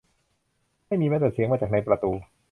ไม่มีแม้แต่เสียงมาจากในประตู